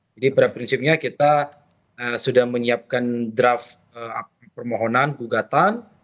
jadi pada prinsipnya kita sudah menyiapkan draft permohonan gugatan